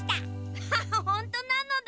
ハハハほんとなのだ！